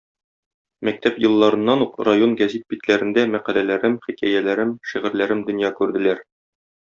Мәктәп елларыннан ук район гәзит битләрендә мәкаләләрем, хикәяләрем, шигырьләрем дөнья күрделәр.